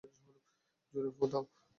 জোরে ফুঁ দাও।